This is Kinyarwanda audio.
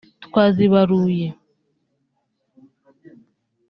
twazibaruye